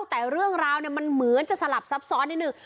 แต่เรื่องราวเนี่ยมันเหมือนจะสลับซับซ้อนนิดนึง